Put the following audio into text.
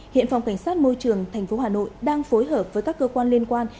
hiện phòng cảnh sát môi trường tp hà nội đang phối hợp với các cơ quan liên quan